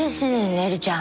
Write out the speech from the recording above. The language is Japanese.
ねるちゃん。